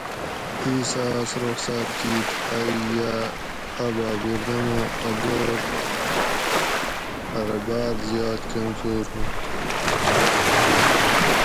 ایسہ آس رخصات کیت ایٔ یا اۤ باۤ بیردمو اۤ بور پرہ باۤر زیات کمزور ہوت